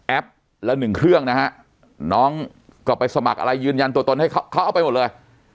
ละหนึ่งเครื่องนะฮะน้องก็ไปสมัครอะไรยืนยันตัวตนให้เขาเอาไปหมดเลย